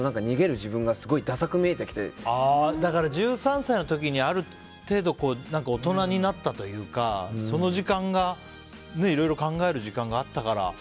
自分が１３歳の時にある程度、大人になったというかその時間がいろいろ考える時間があったから。